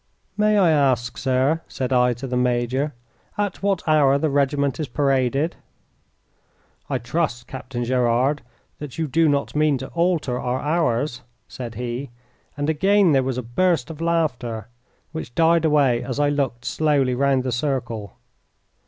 "May I ask, sir," said I to the major, "at what hour the regiment is paraded?" "I trust, Captain Gerard, that you do not mean to alter our hours," said he, and again there was a burst of laughter, which died away as I looked slowly round the circle.